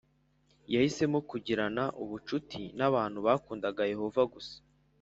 Yahisemo kugirana ubucuti n’abantu bakundaga Yehova gusa